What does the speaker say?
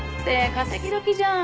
稼ぎ時じゃん。